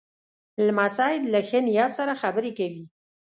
لمسی له ښه نیت سره خبرې کوي.